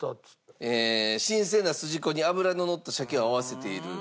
新鮮なすじこに脂ののったしゃけを合わせている。